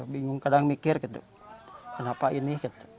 bingung kadang mikir gitu kenapa ini